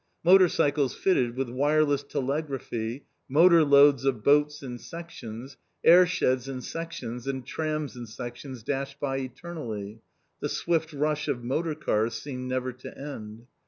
Motor cycles fitted with wireless telegraphy, motor loads of boats in sections, air sheds in sections, and trams in sections dashed by eternally. The swift rush of motor cars seemed never to end.